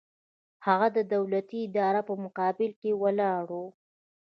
هغه د دولتي ادارو په مقابل کې ولاړ و.